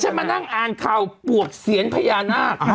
แล้วให้ฉันมานั่งอ่านข่าวปวกเศียรพญานาค